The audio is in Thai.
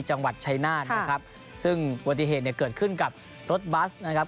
จังหวัดชายนาฏนะครับซึ่งอุบัติเหตุเนี่ยเกิดขึ้นกับรถบัสนะครับ